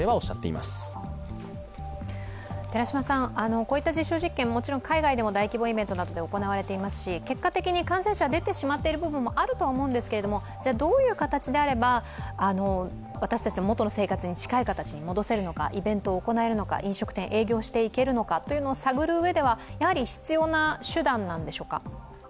こういった実証実験、もちろん海外などでも大規模イベントなど行われていますし結果的に感染者が出てしまっている部分があると思うんですけど、どういう形なら私たちの元の生活に近い形に戻せるのか、イベントを行えるのか、飲食店営業していけるのか探るうえでは必要な手段なんでしょうか？